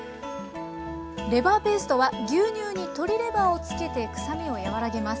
レバーペーストは牛乳に鶏レバーをつけてくさみを和らげます。